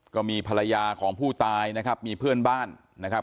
ก็มีภรรยาของผู้ตายนะครับมีเพื่อนบ้านนะครับ